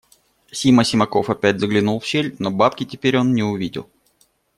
Сима Симаков опять заглянул в щель, но бабки теперь он не увидел.